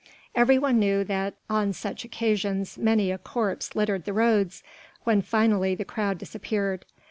Every one knew that on such occasions many a corpse littered the roads when finally the crowd disappeared.